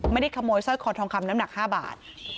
ไม่ได้ขโมยสร้อยคอทองคำน้ำหนัก๕บาท